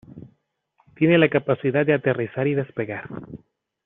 Tiene la capacidad de aterrizar y despegar.